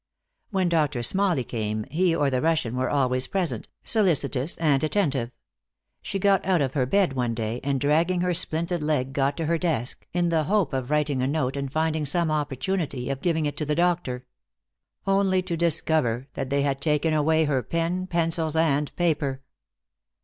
When Doctor Smalley came he or the Russian were always present, solicitous and attentive. She got out of her bed one day, and dragging her splinted leg got to her desk, in the hope of writing a note and finding some opportunity of giving it to the doctor. Only to discover that they had taken away her pen, pencils and paper.